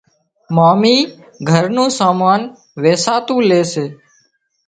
مامي گھر نُون سامان ويساتو لي سي